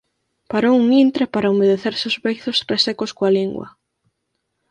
parou un intre para humedecerse os beizos resecos coa lingua